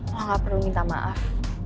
woh nggak perlu minta maaf